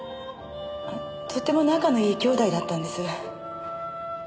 あとっても仲のいい兄弟だったんです。